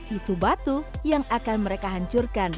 itu batu yang akan mereka hancurkan